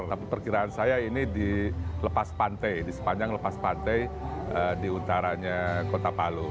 tapi perkiraan saya ini di lepas pantai di sepanjang lepas pantai di utaranya kota palu